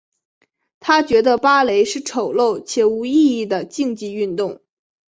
她觉得芭蕾是丑陋且无意义的竞技运动。